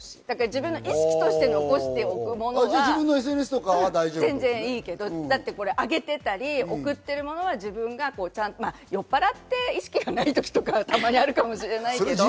自分の意識として残しておくものは全然いいけど、あげてたり送っているものは自分が酔っぱらって意識のない時とかも、たまにあるかもしれないけど。